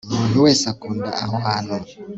umuntu wese akunda aho hantu